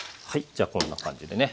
じゃあこんな感じでね